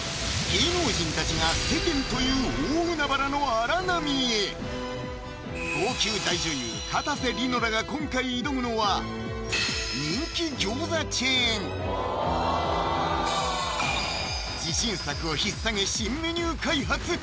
芸能人たちが世間という大海原の荒波へ号泣大女優・かたせ梨乃らが今回挑むのは自信作をひっさげ新メニュー開発！